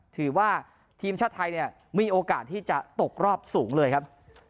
ถือว่าทีมชาติไทยเนี่ยมีโอกาสที่จะตกรอบสูงเลยครับ